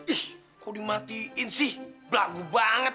ih kok dimatiin sih belagu banget